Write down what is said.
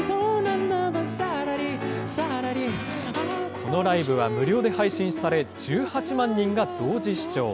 このライブは無料で配信され、１８万人が同時視聴。